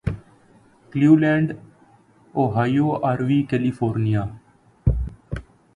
Cleveland Ohio Aruvi California